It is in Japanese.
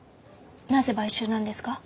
なぜ買収なんですか？